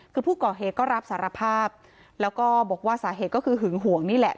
คือผู้ก่อเหตุก็รับสารภาพแล้วก็บอกว่าสาเหตุก็คือหึงห่วงนี่แหละ